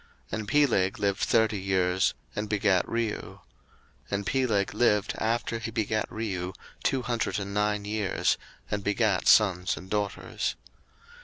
01:011:018 And Peleg lived thirty years, and begat Reu: 01:011:019 And Peleg lived after he begat Reu two hundred and nine years, and begat sons and daughters.